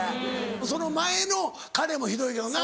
その前の彼もひどいよな。